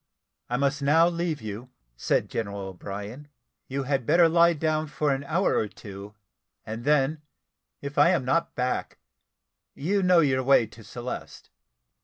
"I must now leave you," said General O'Brien; "you had better lie down for an hour or two, and then, if I am not back, you know your way to Celeste."